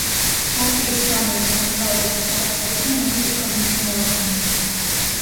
ტაძრის სამი ასომთავრული წარწერიდან ორი უფრო მნიშვნელოვანია.